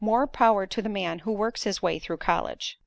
More power to the man who works his way through college.